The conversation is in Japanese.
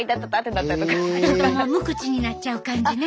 ちょっともう無口になっちゃう感じね。